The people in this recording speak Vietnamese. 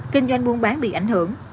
kinh doanh buôn bán bị ảnh hưởng